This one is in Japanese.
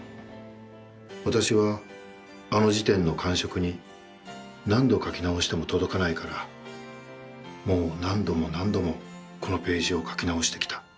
私はあの時点の感触に何度書き直しても届かないからもう何度も何度もこのページを書き直してきた。